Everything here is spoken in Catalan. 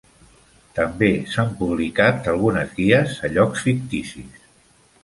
També s'han publicat algunes guies a llocs ficticis.